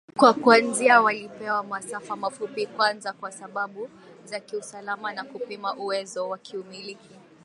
Kwa kuanzia walipewa masafa mafupi kwanza kwa sababu za kiusalama na kupima uwezo wakiumiliki